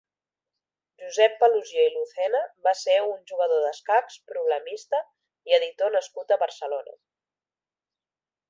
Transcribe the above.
Josep Paluzie i Lucena va ser un jugador d'escacs, problemista, i editor nascut a Barcelona.